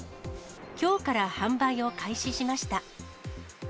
きょうから販売を開始しました。